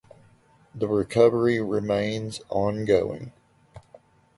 The recovery remains ongoing.